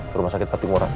ke rumah sakit patimura ya